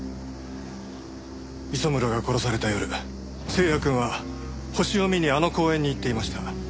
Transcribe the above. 磯村が殺された夜星也くんは星を見にあの公園に行っていました。